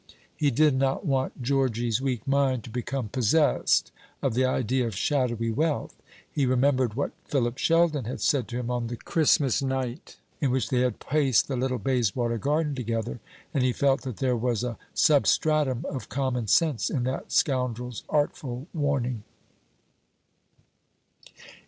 He did not want Georgy's weak mind to become possessed of the idea of shadowy wealth. He remembered what Philip Sheldon had said to him on the Christmas night in which they had paced the little Bayswater garden together, and he felt that there was a substratum of common sense in that scoundrel's artful warning.